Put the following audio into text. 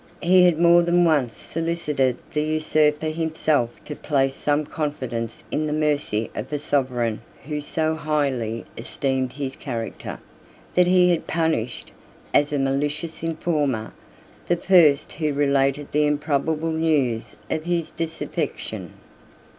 He had more than once solicited the usurper himself to place some confidence in the mercy of a sovereign who so highly esteemed his character, that he had punished, as a malicious informer, the first who related the improbable news of his disaffection.